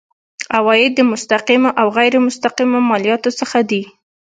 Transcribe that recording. عواید د مستقیمو او غیر مستقیمو مالیاتو څخه دي.